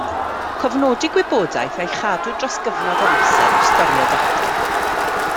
Cofnodi gwybodaeth a'i chadw dros gyfnod o amser yw storio data.